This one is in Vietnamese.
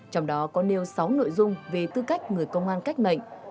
trong đó có nêu sáu nội dung về tư cách người công an cách mệnh